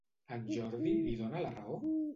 En Jordi li dona la raó?